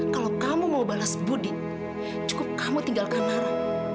kalau kamu mau balas budi cukup kamu tinggalkan nara